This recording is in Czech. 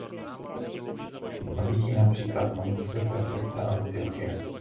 Byli zabiti na příkaz Magnuse prefekta Antiochie.